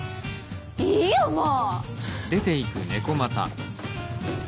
いいよもう！